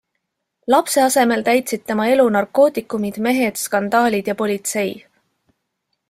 Lapse asemel täitsid tema elu narkootikumid, mehed, skandaalid ja politsei.